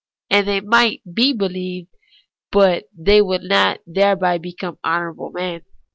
And they might be believed, but they would not thereby become honourable men.